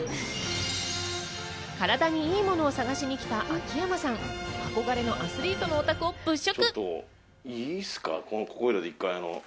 カラダにいいものを探しにきた秋山さん、憧れのアスリートのお宅を物色。